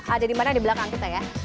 ada dimana di belakang kita ya